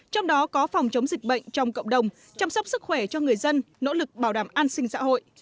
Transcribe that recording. trong đó có phòng chống dịch bệnh trong cộng đồng chăm sóc sức khỏe cho người dân nỗ lực bảo đảm an sinh xã hội